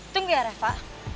tunggu ya reva